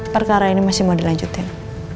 perkara ini masih mau dilanjutin